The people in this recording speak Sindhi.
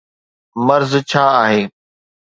مرض ڇا آهي؟